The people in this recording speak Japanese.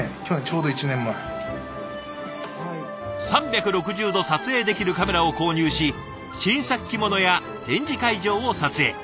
３６０度撮影できるカメラを購入し新作着物や展示会場を撮影。